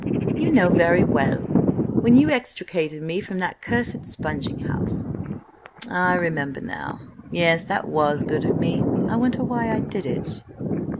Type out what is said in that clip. "You know very well. When you extricated me from that cursed sponging house." "I remember now. Yes, that was good of me. I wonder why I did it?"